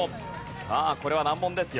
さあこれは難問ですよ。